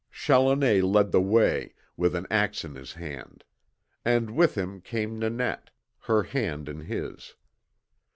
Challoner led the way, with an axe in his hand; and with him came Nanette, her hand in his.